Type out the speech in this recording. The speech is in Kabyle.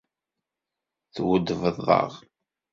Tweddbeḍ-aɣ.